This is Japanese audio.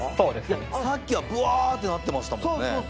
いやさっきはぶわってなってましたもんね